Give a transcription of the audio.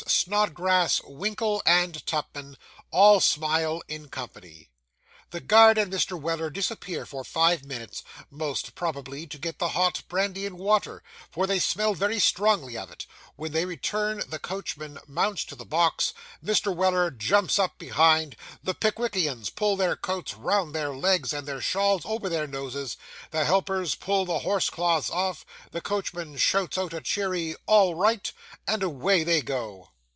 Snodgrass, Winkle, and Tupman, all smile in company. The guard and Mr. Weller disappear for five minutes, most probably to get the hot brandy and water, for they smell very strongly of it, when they return, the coachman mounts to the box, Mr. Weller jumps up behind, the Pickwickians pull their coats round their legs and their shawls over their noses, the helpers pull the horse cloths off, the coachman shouts out a cheery 'All right,' and away they go.